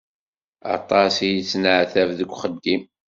Aṭas i yettneɛtab deg uxeddim.